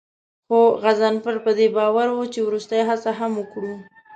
خو غضنفر په دې باور و چې وروستۍ هڅه هم وکړو.